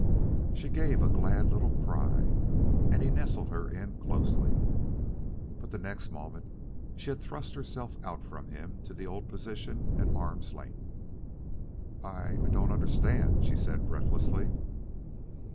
She gave a glad little cry, and he nestled her in closely. But the next moment she had thrust herself out from him to the old position at arm's length. "I I don't understand," she said breathlessly.